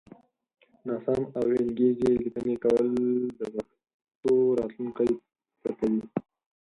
ناسم او وينگيزې ليکنې کول د پښتو راتلونکی تتوي